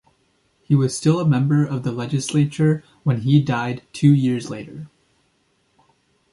He was still a member of the legislature when he died two years later.